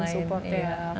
harus saling support ya